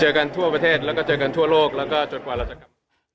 กันทั่วประเทศแล้วก็เจอกันทั่วโลกแล้วก็จนกว่าเราจะกลับ